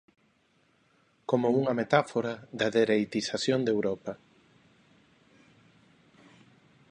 Como unha metáfora da dereitización de Europa.